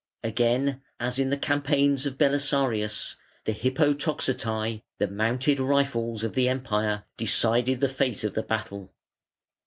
Again, as in the campaigns of Belisarius, the Hippo toxotai, the "Mounted Rifles" of the Empire, decided the fate of the battle.